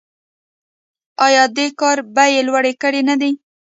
آیا دې کار بیې لوړې کړې نه دي؟